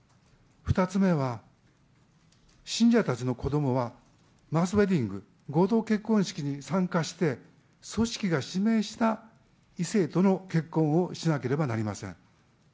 ２つ目は、信者たちの子どもは、マスウエディング、合同結婚式に参加して、組織が指名した異性との結婚をしなければなりません。